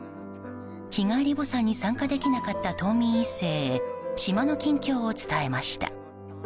日帰り墓参に参加できなかった島民１世へ島の近況を伝えました。